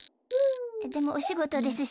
でもおしごとですし。